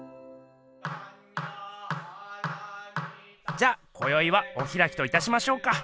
じゃこよいはおひらきといたしましょうか？